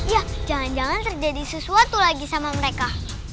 ya jangan jangan terjadi sesuatu lagi sama mereka